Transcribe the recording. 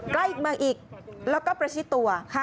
ใกล้มาอีกแล้วก็ประชิตตัวค่ะ